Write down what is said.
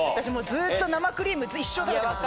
ずっと生クリーム一生食べてます